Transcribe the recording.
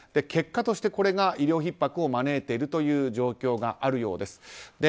結果としてこれが医療ひっ迫を招いている状況があるようです。